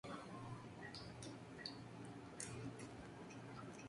La prisión es administrada por el Departamento de Prisiones de Sri Lanka.